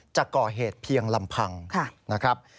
จะก่อเหตุเพียงลำพังนะครับ